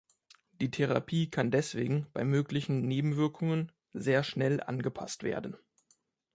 Die Therapie kann deswegen bei möglichen Nebenwirkungen sehr schnell angepasst werden.